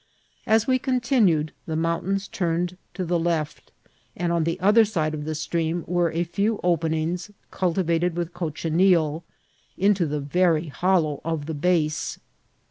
As we continued the mountains turned to the left, and on the other side of the stream were a few openings, cultivated with cochineal, into the very hollow of the base.